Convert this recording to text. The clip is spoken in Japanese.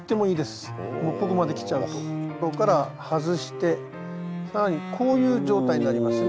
ここから外して更にこういう状態になりますね。